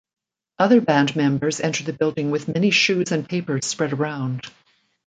Other band members enter the building with many shoes and papers spread around.